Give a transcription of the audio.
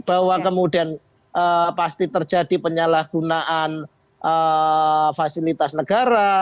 bahwa kemudian pasti terjadi penyalahgunaan fasilitas negara